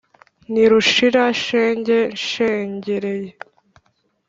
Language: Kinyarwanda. Ntirushira shenge nshengereye